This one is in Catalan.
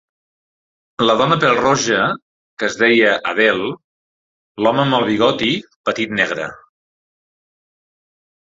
La dona pèl-roja que es deia Adele; l'home amb el bigoti petit negre.